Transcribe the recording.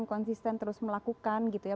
konsisten terus melakukan gitu ya